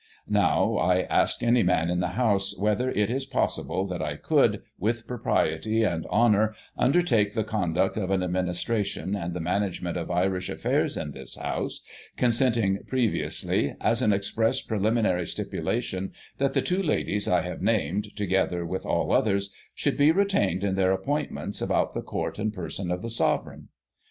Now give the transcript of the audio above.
Now, I ask any man in the House, whether it is possible that I could, with propriety and honour, undertake the conduct of an Administration, and the manage ment of Irish affairs in this House, consenting previously, as an express preliminsiry stipulation, that the two ladies 1 have named, together with all others, should be retained in their appointments about the court and person of the Sovereign